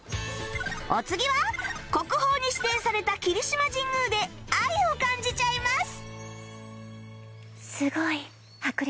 お次は国宝に指定された霧島神宮で愛を感じちゃいます！